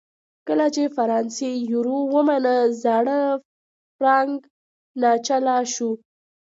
کله چې فرانسې یورو ومنله زاړه فرانک ناچله شول.